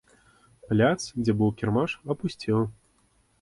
Пляц, дзе быў кірмаш, апусцеў.